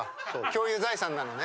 共有財産なのね。